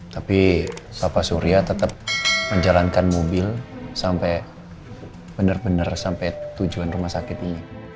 tapi bapak surya tetap menjalankan mobil sampai benar benar sampai tujuan rumah sakit ini